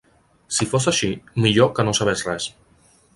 Si fos així, millor que no sabés res.